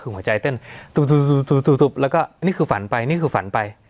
คือหัวใจเต้นแล้วก็นี่คือฝันไปนี่คือฝันไป